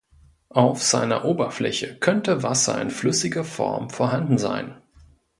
Auf seiner Oberfläche könnte Wasser in flüssiger Form vorhanden sein.